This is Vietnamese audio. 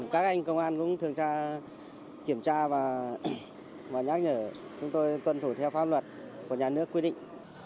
các anh công an cũng thường ra kiểm tra và nhắc nhở chúng tôi tuân thủ theo pháp luật của nhà nước quy định